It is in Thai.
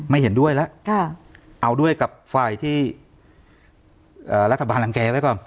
เห็นด้วยแล้วเอาด้วยกับฝ่ายที่รัฐบาลรังแก่ไว้ก่อน